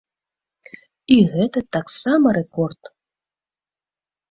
І гэта таксама рэкорд.